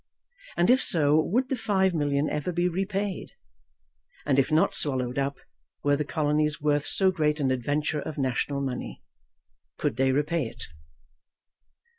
And if so, would the five million ever be repaid? And if not swallowed up, were the colonies worth so great an adventure of national money? Could they repay it?